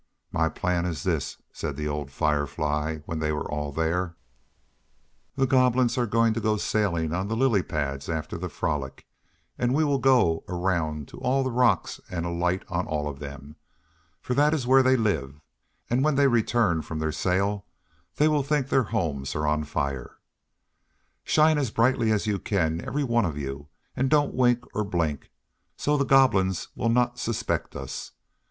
"My plan is this," said the old Firefly when they were all there, "the Goblins are to go sailing on the lily pads after the frolic and we will go around to all the rocks and alight on all of them, for that is where they live, and when they return from their sail they will think their homes are on fire. "Shine as brightly as you can, every one of you, and don't wink or blink, so the Goblins will not suspect us.